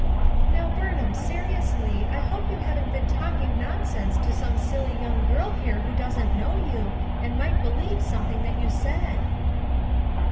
"Now, Burnham, seriously, I hope you haven't been talking nonsense to some silly young girl here who doesn't know you, and might believe something that you said."